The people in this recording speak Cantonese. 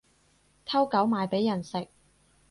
偷狗賣畀人食